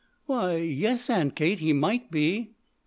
"Why yes, Aunt Kate, he might be."